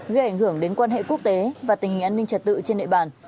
gây ảnh hưởng đến quan hệ quốc tế và tình hình an ninh trả tự trên nệ bàn